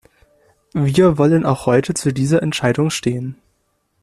Wir wollen auch heute zu dieser Entscheidung stehen.